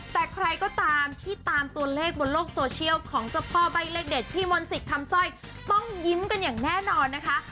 แต่ใครก็ตามที่ตามตัวเลขบนโลกโซเชียลของเจ้าพ่อใบ้เลขเด็ดพี่มนต์สิทธิ์คำสร้อยต้องยิ้มกันอย่างแน่นอนนะคะ